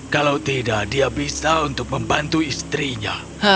kalau tidak dia bisa untuk membantu istrinya